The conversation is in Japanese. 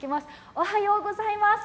おはようございます。